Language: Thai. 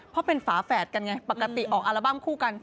เพราะเป็นฝาแฝดกันไงปกติออกอัลบั้มคู่กัน